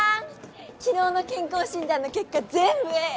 昨日の健康診断の結果全部「Ａ」！